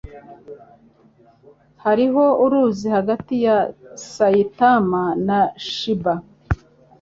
Hariho uruzi hagati ya Saitama na Chiba.